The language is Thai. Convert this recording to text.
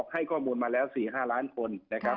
ให้ข้อมูลมาแล้ว๔๕ล้านคน